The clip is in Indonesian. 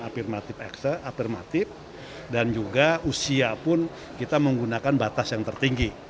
afirmatif afirmatif dan juga usia pun kita menggunakan batas yang tertinggi